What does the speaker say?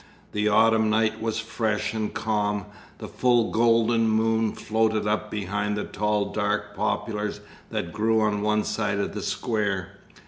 The autumn night was fresh and calm. The full golden moon floated up behind the tall dark poplars that grew on one side of the square.